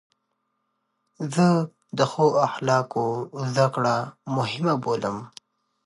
زه د ښو اخلاقو زدکړه مهمه بولم.